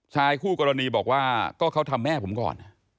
ชายคู่กรณีบอกว่าก็เขาทำแม่ผมก่อน